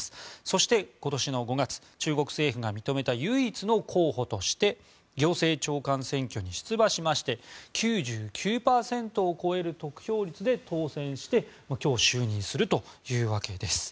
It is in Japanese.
そして、今年の５月、中国政府が認めた唯一の候補として行政長官選挙に出馬しまして９９％を超える得票率で当選して今日、就任するというわけです。